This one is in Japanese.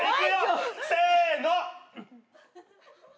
せの。